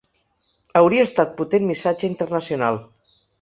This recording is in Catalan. Hauria estat potent missatge internacional.